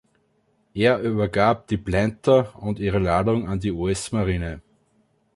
Er übergab die „Planter“ und ihre Ladung an die US-Marine.